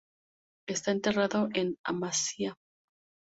Está enterrado en Amasya.